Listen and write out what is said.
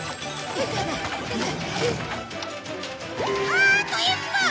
あと１分！